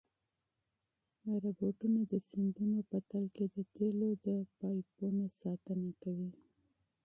روبوټونه د سمندرونو په تل کې د تېلو د پایپونو ساتنه کوي.